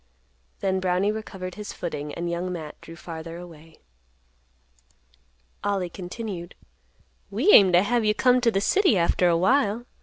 Then Brownie recovered his footing, and Young Matt drew farther away. Ollie continued; "We aim t' have you come t' th' city after a while.